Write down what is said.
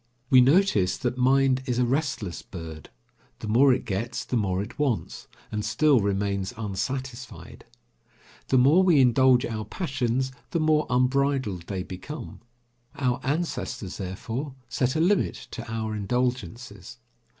We notice that mind is a restless bird; the more it gets the more it wants, and still remains unsatisfied. The more we indulge our passions, the more unbridled they become. Our ancestors, therefore, set a limit to our indulgences.